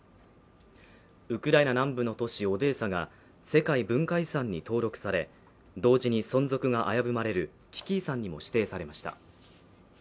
ウクライナ南部の都市オデーサが世界文化遺産に登録され、同時に存続が危ぶまれる危機遺産にも指定されました。